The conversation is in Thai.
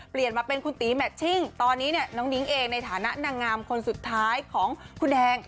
เปลี่ยนมาเป็นคุณตีแมชชิ่งตอนนี้เนี่ยน้องนิ้งเองในฐานะนางงามคนสุดท้ายของคุณแดง